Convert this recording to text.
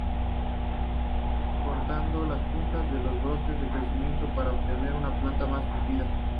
Cortando las puntas de los brotes en crecimiento para obtener una planta más tupida.